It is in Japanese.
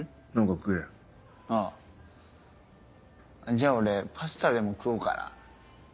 じゃあ俺パスタでも食おうかな。